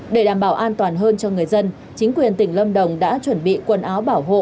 để đảm bảo an toàn hơn cho người dân chính quyền tỉnh lâm đồng đã chuẩn bị quần áo bảo hộ